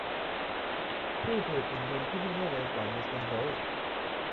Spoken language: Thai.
ผู้ผลิตหุ่นยนต์ที่วิ่งได้เร็วกว่า ยูเซน โบลต์